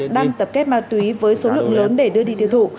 đang tập kết ma túy với số lượng lớn để đưa đi thiếu thủ